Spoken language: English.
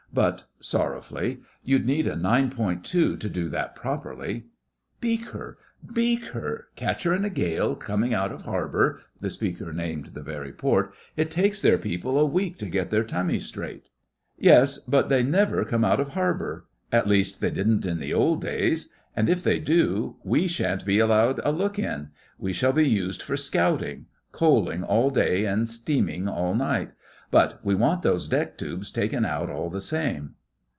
But (sorrowfully) you'd need a nine point two to do that properly.' 'Beak her! Beak her! Catch her in a gale, coming out of harbour' (the speaker named the very port). 'It takes their people a week to get their tummies straight.' 'Yes, but they never come out of harbour. At least they didn't in the old days. And if they do, we sha'n't be allowed a look in. We shall be used for scouting—coaling all day and steaming all night. But we want those deck tubes taken out all the same.